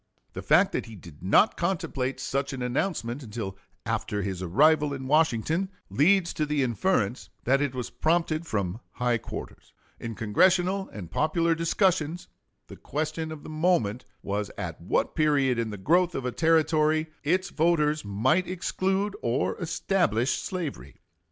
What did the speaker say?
The fact that he did not contemplate such an announcement until after his arrival in Washington leads to the inference that it was prompted from high quarters. In Congressional and popular discussions the question of the moment was at what period in the growth of a Territory its voters might exclude or establish slavery.